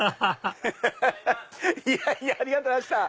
ハハハハありがとうございました！